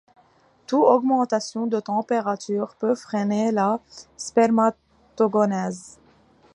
Tout augmentation de température peut freiner la spermatogenèse.